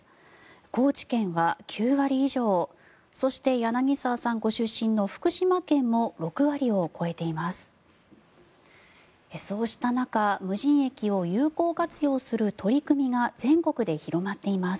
高知県は９割以上そして、柳澤さんご出身の福島県も６割を超えています。